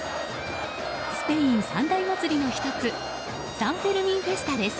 スペイン三大祭りの１つサン・フェルミンフェスタです。